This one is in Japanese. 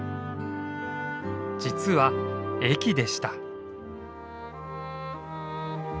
実は駅でした。